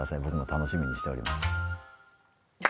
僕も楽しみにしております。